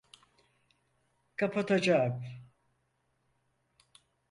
Kapatacağım.